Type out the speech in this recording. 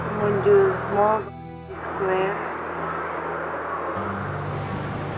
kemudian mau berada di square